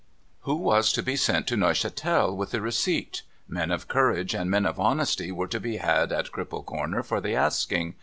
Who was to be sent to Neuchatel with the receipt ? Men of courage and men of honesty were to be had at Cripple Corner for the asking.